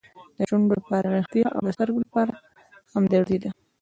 د شونډو لپاره ریښتیا او د سترګو لپاره همدردي ده.